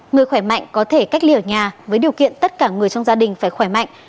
người khỏe mạnh có thể cách ly ở nhà với điều kiện tất cả người trong gia đình phải khỏe mạnh